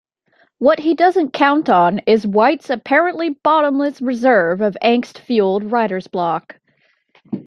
What he doesn't count on is White's apparently bottomless reserve of angst-fueled writer's block.